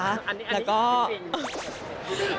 อันนี้คือบิน